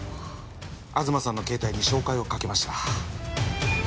東さんの携帯に照会をかけました。